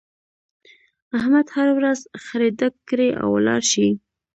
احمد هر ورځ خړی ډک کړي او ولاړ شي.